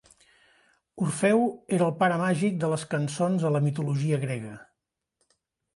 Orfeu era el pare màgic de les cançons a la mitologia grega.